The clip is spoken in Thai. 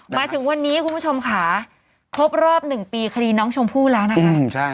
มาถึงวันนี้คุณผู้ชมค่ะครบรอบ๑ปีคดีน้องชมพู่แล้วนะคะ